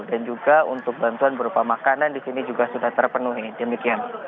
dan juga untuk bantuan berupa makanan di sini juga sudah terpenuhi demikian